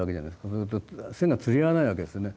そうすると背が釣り合わないわけですよね。